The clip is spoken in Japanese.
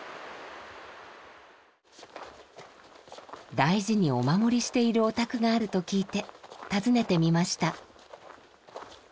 大事にお守りしているお宅があると聞いて訪ねてみました。